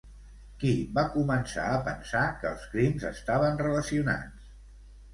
Qui va començar a pensar que els crims estaven relacionats?